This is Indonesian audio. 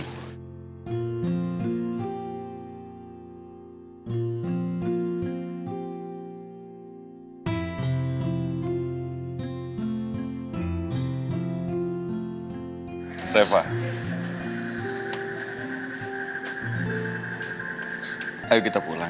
mereka juga jadi dengan kita dulu yang